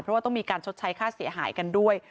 เพราะว่าต้องมีการชดใช้ค่าเสียหายกันด้วย